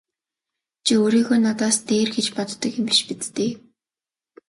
Чи өөрийгөө надаас дээр гэж боддог юм биш биз дээ!